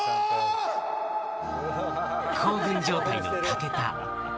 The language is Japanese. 興奮状態の武田。